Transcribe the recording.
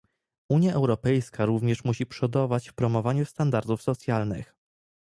Unia Europejska również musi przodować w promowaniu standardów socjalnych